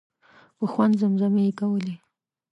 په خوند زمزمې یې کولې.